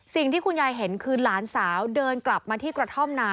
สิ่งที่คุณยายเห็นคือหลานสาวเดินกลับมาที่กระท่อมนา